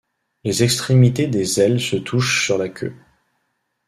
Les extrémités des ailes se touchent sur la queue.